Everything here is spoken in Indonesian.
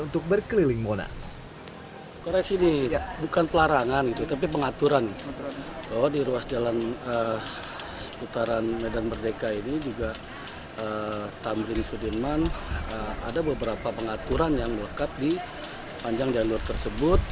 untuk berkeliling monas